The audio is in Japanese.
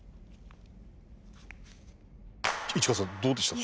市川さんどうでしたか？